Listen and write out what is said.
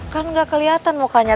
kan nggak keliatan mukanya